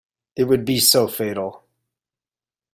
It would be fatal.